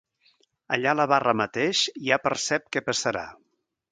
Allà a la barra mateix ja percep què passarà.